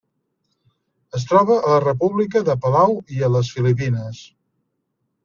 Es troba a la República de Palau i a les Filipines.